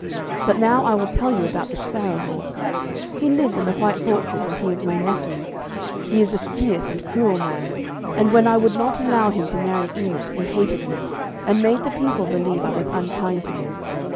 But now I will tell you about the Sparrow hawk. He lives in the white fortress, and he is my nephew. He is a fierce and cruel man, and when I would not allow him to marry Enid, he hated me, and made the people believe I was unkind to him.